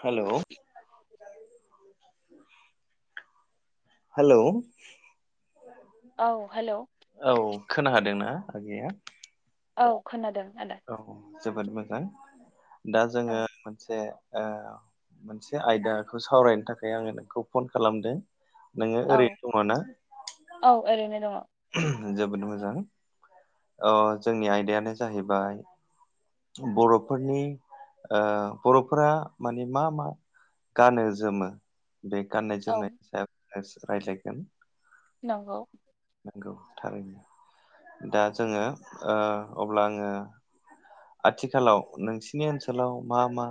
हेल' हेल' औ हेल' खोना हादोंना आगैया! औ खोनादों। आदा औ औ जोबोद मोजां! दा जोङो औ मोनसे- ओ मोनसे आयदाखौ सावरायनो थाखाय आङो नोंखौ फन खालामदों। नोङो औ ओरैनो दङ औ ओरैनो दङ जोबोद मोजां जोंनि आयदायानो जाहैबाय बर'फोरनि बर'फोरा माने मा मा गानो जोमो बे गाननाय औ जोमनायनि सायाव रायलायखोन नंगौ थारैनो दा जोङो अब्ला आङो आथिखालाव नोंसिनि ओनसोलाव मा मा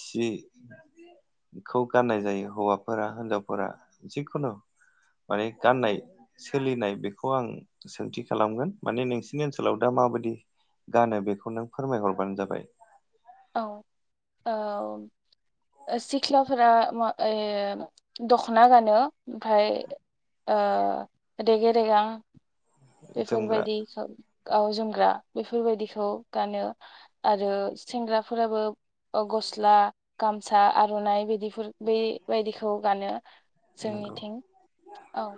सिखौ गाननाय जायो हौवाफोरा हिनजावफोरा जिखुनु माने गाननाय सोलिनाय बेखौ आं सोंथि खालामगोन माने नोंसिनि ओनसोलाव दा माबायदि गानो बेखौ नों फोरमायहरबानो जाबाय औ औ सिख्लाफोरा दख'ना गानो ओमफफ्राय रेगे रेगां जोमग्रा बेफोरबायायदि खौ गाव जोमग्रा बेफोरबायदिखौ गानो आरो सेंग्राफोराबो गस्ला गामसा आर'नाइ बिदिफोर बेबायदिखौ गानो। नंगौ जोंनिथिं औ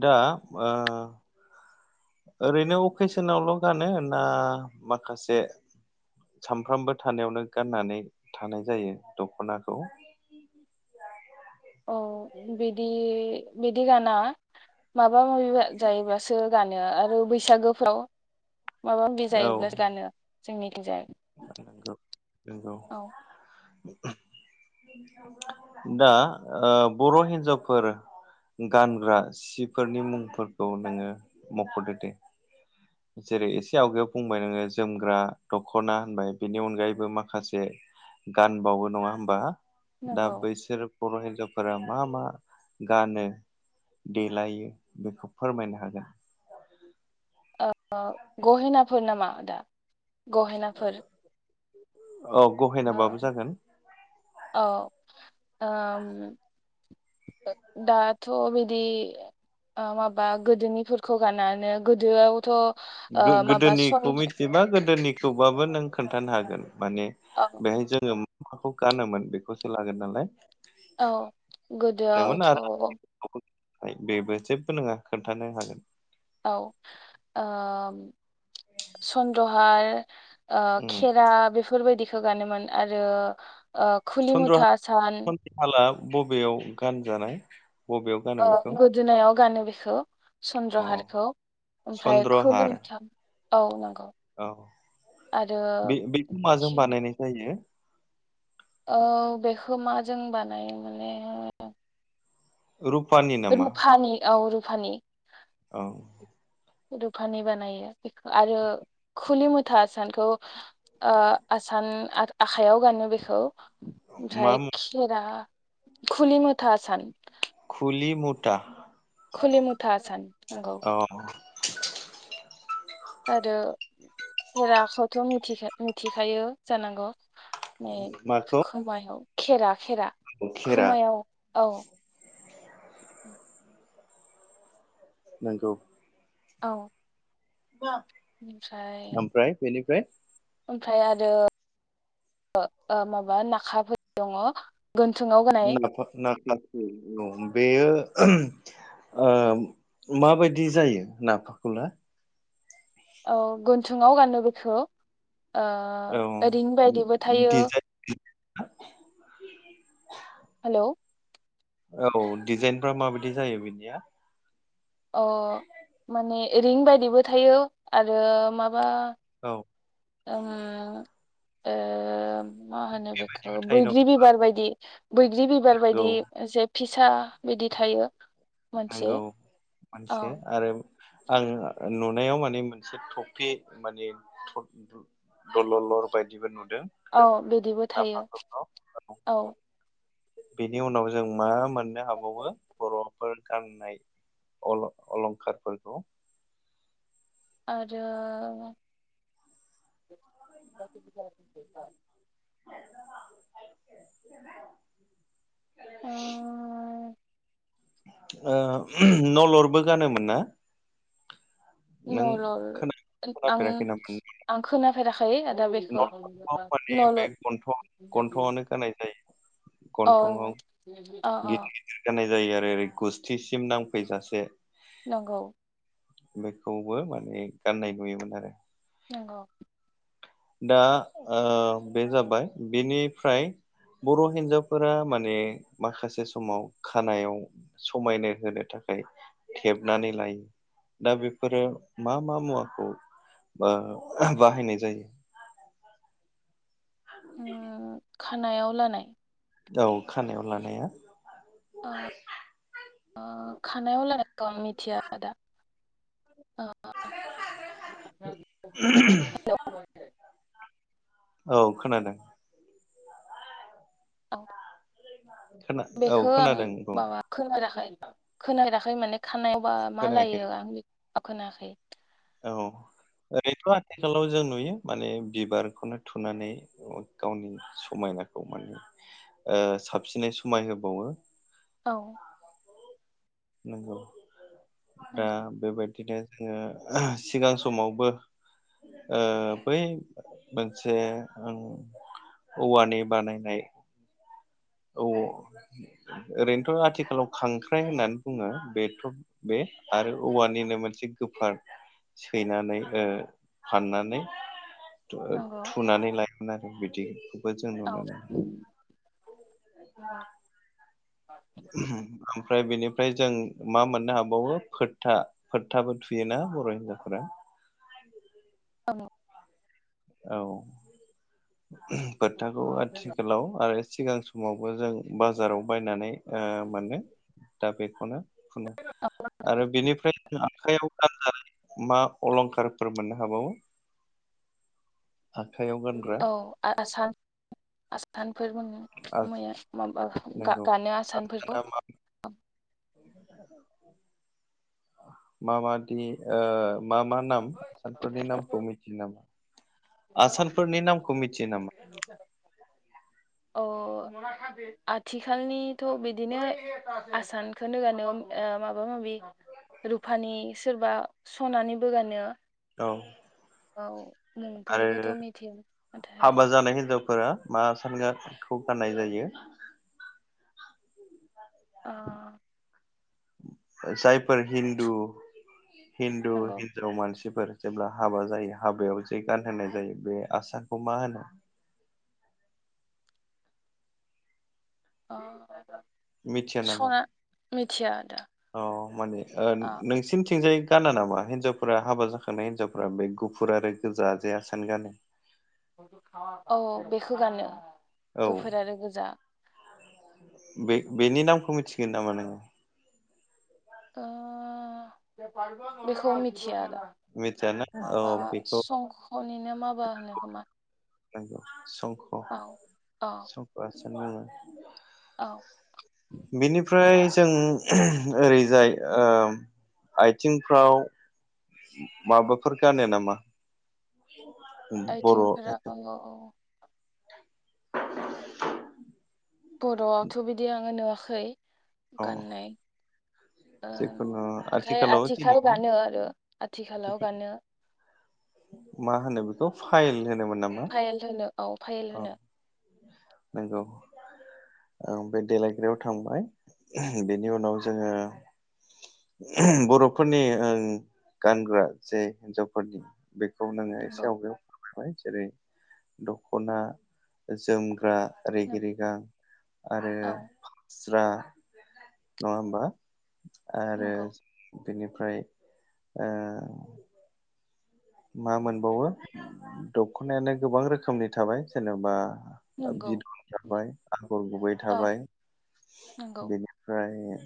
दा ओरैनो अकेसनावल' गानो ना माखासे सामफ्रामबो थानायावनो गाननानै थानाय जायो दख'नाखौ। औ बिदि बिदि गाना माबा माबा माबि जायोब्लासो गानो आरो बैसागोफ्राव माबा माबि औ जायोब्लासो गानो जोंनिथिंजाय नंगौ नोंगौ औ दा बर' हिन्जावफोर गानग्रा सिफोरनि मुंफोरखौ नोङो मख'दो दे जेरै एसे आवगायावायाव बुंबाय नोङो जोमग्रा दखना होनबाय बेनि अनगायैबो माखासे गानबावो नङा हबा? दा नंगौ बैसोर बर' हिन्जावफोरा मा मा गानो देलायो बेखौ फोरमायनो हागोन गहेनाफोर नामा दा गहेनाफोर? [inaudible] गहेनाबाबो ओ जागोन औ ओम दाथ' बिदि माबा गोदोनिफोरखौ गाननो गोदोआवथ' ओ माबा सन गोदोनिखौ मिथिबा गोदोनि थेवबाबो नों खोन्थानो हागोन माने औ बेहाय जोङो माखौ गानोमोन बेखौसो लागोन नालाय औ मोन गोदोआवथ' आरो बेबो जेबो नङा खोन्थानो हागोन औ सन्द्रहार उम खेरा बेफोरबायदि [unintelligible] आरो ओ खुलि चन्द्र मुथा चन्द्रहाला बबेयाव गानजानाय बबेयाव गानो ओ बेखौ गोदोनायाव गानो बेखौ अ चन्द्रहारखौ ओमफ्राय चन्द्रहार [unintelligible] औ नो औ बे बेखौ माजों बानायनाय जायो? औ बेखौ मा जों बानायो माने रुपानि नामा रुफानि औ रुफानि औ रुपानि बानायो बेखौ आरो खुलि मुथा आसानखौ ओ आसान आ-आखाइआव गानो बेखौ मा आमफ्राय मु- खेरा खुलि मुथा आसान।। गुलि मुथा खुलिमुथा आसान नंगौ अह आरो खेराखौथ' मिथिखा मिथिखायो जानांगौ। नै माखौ खोमायाव खेरा खेरा खेरा खोमायाव औ [inaudible] नंगौ औ [unintelligible] ओमफ्राय आमफ्राय बिनि फ्राय ओमफ्राय आरो ओ ओ माबा [unintelligible] गाननाय [unintelligible] बेयो ओ माबायदि जायो नाफाखुला औ गन्थुङाव गाननो बेखौ ओ औ ओरैनो बायदिबो थायो डिजाइन [unintelligible] हेलौ औ डिजाइनफ्रा माबायदि जायो बिनिया अ माने रिं बायदिबो थायो आरो माबा औ उम ओ मा होनो बेखौ थायो बैग्रि दं बिबार बायदि बैग्रि बिबार नंगौ बायदि जे फिस सा बिदि थायो। मोनसे नंगौ मोनसे औ आरो आङो नुनायाव माने मोनसे थफि माने थ दलरलर बायदिबो नु औ बिदिबो थायो औ बेनि उनाव जों मा मोननो हाबावो बर'फोर गाननाय अल अलंखारफोरखौ आरो [inaudible] ओ। ओ नलरबो गानोमोन ना? नों खोना नलर आं खोनाफेराखै नामा आं खोनाफेराखै। दा बेखौ नलरखौ माने बे गन्थं नलद गन्थंआवनो गाननाय जायो औ गन्थंआव अ अ। गिदिर गिदिर गाननाय जायो आरो ओरै गुस्थिसिम नांफैजासे। नंगौ। बेखौबो माने गाननाय नुयोमोन आरो। नंगौ। दा बे ओ जाबाय बेनिफ्राय बर' हिनजावफोरा माने माखासे समाव खानायाव समायनो होनो थाखाय थेबनानै लायो दा बेफोरो मा मा मुवाखौ ओ बाहायनाय जायो। उम [inaudible] खानायाव लानाय। औ खानायाव लानाया। आ। आ खानायाव लानाय। [unintelligible] मिथिया आदा। [inaudible] औ खोनादों। औ। खोना औ बेखौ आं खोनादों बुं माबा खोनाराखै। खोनाराखै माने खानायाव। बा मा खोनायाखै लायो आं बे औ खोनायाखै। औ ओरैथ' आथिखालाव जों नुयो माने बिबारखौनो थुनानै गावनि समायनाखौ माने ओ साबसिनै समाय होबावो। औ। नंगौ। दा नंगौ बेबाय‌। बिदिनो जोङो सिगां समावबो ओ बै मोनसे ओं औवानि बानायनाय। औ ओरैनोथ' आथिखालाव खांख्राइ होननानै बुङो बेथ' बे आरो औवानिनो मोनसे गोफार सैनानै फाननानै। नंगौ थुनानै लायगोन आरो बिदि दे। ब औ मोन नंगौ ओमफ्राय बेनि ओमफ्राय जों मा मोननो हाबावो फोर्था फोथाबो थुयोना बर' हिनजावफोरा। औङ। औ। फोथाखौ आथिखालाव आरो सिगां समावबो जों बाजाराव बायनानै। आ माने दा बेखौनो औ आरो बेनिफ्राय आखायाव मा अलंखारफोर मोननो हाबावो आखाइयाव गानग्रा औ आसान नोंथां बेफोर मोनो मैया माबा नंगौ गा-गानो आसानफोरखौ आसाना मा मा माबादि मा मा नाम आसानफोरनि नामखौ मिथियो नामा आसानफोरनि नामखौ मिथिया नामा अ आथिखालनिथ' बिदिनो आसानखोनो गानो माबा माबि रुफानि सोरबा सनानिबो गानो औ औ मुंफोरखौथ' आरो मिथिया नाथाय फोरा मा आसानखौ गाननाय जायो। अ जायफोर हिन्दु हिन्दु नांगौ हिनजाव मानसिफोर जेब्ला हाबा जायो हाबायाव जे गानहोनाय जायो बे आसानखौ मा होनो अ मिथिया नामा आदा अ माने नोंसिनिथिंजाय गाना नामा हिन्जावफोरा हाबा जाखांनाय हिनजावफोरा बे गुफुर आरो गोजा जे आसान गानो औ बेखौ गानो गोफोर आरो गोजा बे-बेनि नामखौ मिथिगोन नामा नोंङो ओ बेखौ मिथिया मिथियाना औ माबा बेखौ संख'निनो मा बा होनो खोमा नोंगौ सं औ औ सान बुंङो औ बेनिफ्राय जों ओरैजाय ओ आयथिंफ्राव माबाफोर गानो नामा आइथिंफ्राव औ औ बर'आवथ' बिदि आंङो नुवा खै गाननाय ओ जिखुनु ओमथाय आथिखालाव दिनै आथिखाल गानो आरो आथिखालाव गानो मा होनो बेखौ फाइल। होननो मोन नामा? फायेल होनो औ फाइल औ होनो। नंगौ ओं बे देलायग्रयाव थांबाय। बेनि नंगौ उनाव जोङो बर'फोरनि ओ गानग्रा जे हिनजावफोरनि बेखौ नोंङो एसे नंगौ आवगायाव जेरै दखना जोम ग्रा रेगि नों रेगां आरो औ ज्रा नंङा होमबा। आरो नंगौ बिनिफ्राय ओ मा मोनबावो दख'नायानो गोबां रोखोमनि थाबाय जेनेबा नंगौ बिदर आदा थाबाय आगर गुबै औ थाबाय नंगौ बेनिफ्राय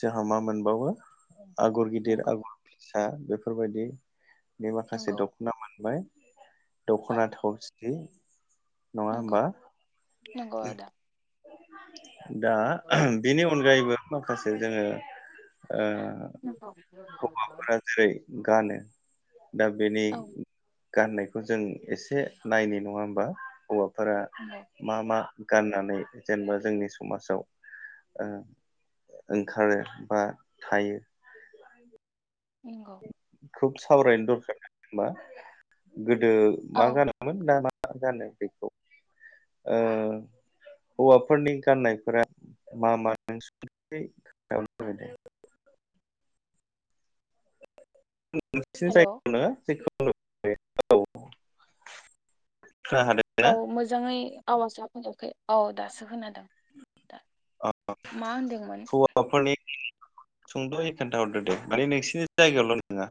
जोंहा मा मोनबावो आगर गिदिर नंगौ आगर फिसा आ बेफोरबायदि बे माखासे नंगौ दख'ना मोनबाय। औ दख'ना थावस्रि। नंगौ नंगौ आदा। [unintelligible] दा बेनि अनगायैबो माखासे जोङो ओ नंगौ हौवाफोरा जेरै गानो दा बेनि औ गाननायखौ जों एसे नायनि नङा होमबा हौवा फोरा नंगौ मा मा गाननानै जेनेबा जोंनि समाजाव ओ ओंखारो बा थायो नंगौ खुब सावरायनो दरखार मा गोदो मा औ गानोमोन ना मा मा गानो बेखौ ओ हौवाफोरनि गाननायफोरा मा मा नोंस [unintelligible] हेल' [unintelligible] औ औ हादोंना मोजाङै आवाजया फैयाखै औ दासो खोनादों दा मा होनदोंमोन हौवाफोरनि सुंदयै खोन्थाहरदो दे माने नोंसिनि जायगायावल नङा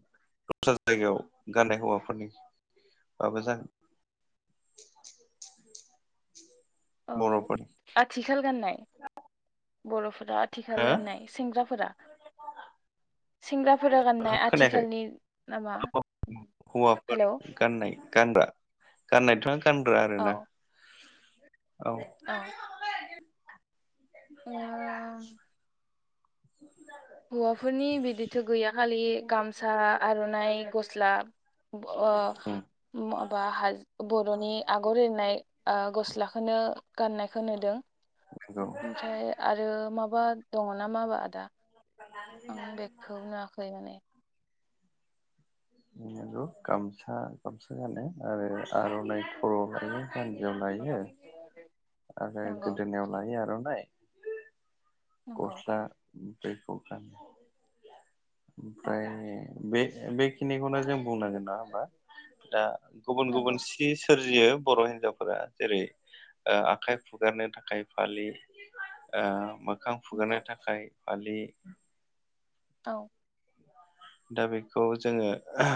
दस्रा जायगायाव गाननाय हौवाफोरनि बाबो जागोन औ बर'फोरनि आथिखाल गाननाय बर'फो आथिखाल हो गाननाय सेंग्राफोरा सेंग्राफोरा गाननाय खोनायाखै आथिखालनि नामा हौवाफोर हेलौ गाननाय गानग्रा गाननायथ आं गानग्रा आरोना औ [inaudible] औ ओ [inaudible] हौवाफोरनि बिदिथ गैय खालि गामसा आरनाइ गस्ला ब माबा हाज बरनि आगर एरनाय गस्लाखोनो ओ गाननायखौ नुदों। नंगौ ओमफ्राय आरो माब बा दङ ना मा बा आदा आंनि बेगखौ नुवाखै माने गामसा गामसा गानो आरो आर'नाइ खर'आव लायो जानजियाव लायो आरो नंगौ गोदोनायाव लायो आर'नाइ नंगौ गस्ला दैखौ [unintelligible] औ ओमफ्राय बे बेखिनिखौनो जों बुंनांगोन नङा होमबा दा गुबुन नंगौ गुबुन सि सोरजियो बर' हिनजावफोरा जेरै ओ आखाइ फुगारनो थाखाय फालि ओ मो मोखां नंगौ फुगारनो थाखाय फालि औ दा बेखौ जोङो आ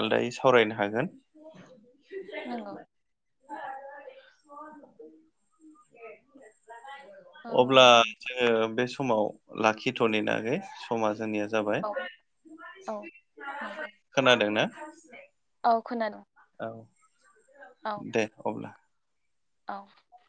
आलदायै सावरायनो हागोन नंगौ [inaudible] औ अब्ला जोङो बे [unintelligible] समाव लाखिथ'नोना आगै समा जोंनिया जाबाय औ औ नंगौ खोनादों ना [unintelligible] औ खोनादों औ औ दे अब्ला नंगौ औ